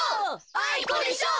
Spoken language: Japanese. あいこでしょ！